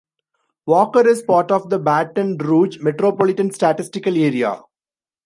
Walker is part of the Baton Rouge Metropolitan Statistical Area.